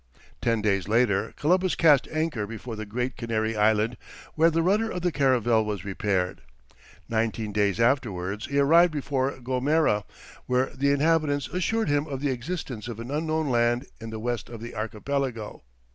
Ten days later Columbus cast anchor before the Great Canary Island, where the rudder of the caravel was repaired. Nineteen days afterwards he arrived before Gomera, where the inhabitants assured him of the existence of an unknown land in the west of the Archipelago.